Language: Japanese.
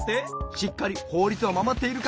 しっかりほうりつをまもっているか。